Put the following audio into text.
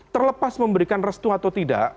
terlepas memberikan restu atau tidak